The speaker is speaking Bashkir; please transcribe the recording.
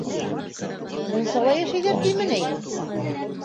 Мунсала йәшәйҙәр тиме ни?!